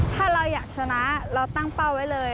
ถ้าเราอยากชนะเราตั้งเป้าไว้เลย